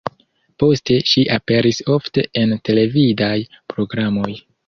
Poste ŝi aperis ofte en televidaj programoj.